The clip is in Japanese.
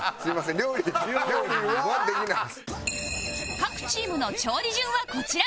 各チームの調理順はこちら